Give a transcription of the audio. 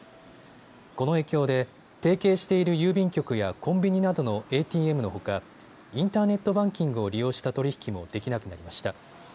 この影響で提携している郵便局やコンビニなどのＡＴＭのほかインターネットバンキングを利用した取り引きもできなくなりました。